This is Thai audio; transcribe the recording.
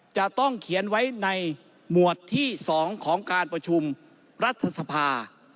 จะต้องเขียนไว้ในหมวดที่๒ของการประชุมรัฐสภา